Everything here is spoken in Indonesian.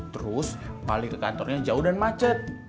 terus balik ke kantornya jauh dan macet